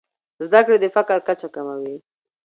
زده کړې د فقر کچه کموي.